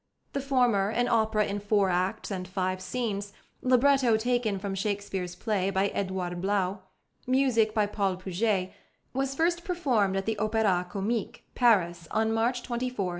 The former, an opera in four acts and five scenes, libretto taken from Shakespeare's play by Edouard Blau, music by Paul Puget, was first performed at the Opéra Comique, Paris, on March 24, 1899.